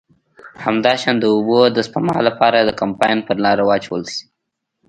همداشان د اوبو د سپما له پاره د کمپاین پر لاره واچول شي.